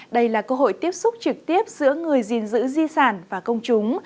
đây là cơ hội tiếp xúc trực tiếp giữa người gìn giữ di sản và công chúng